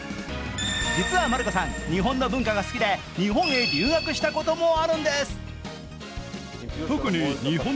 実はマルコさん、日本の文化が好きで日本へ留学したこともあるんです。